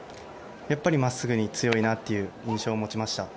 真っすぐに強いなという印象を受けました。